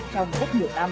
trong rất nhiều năm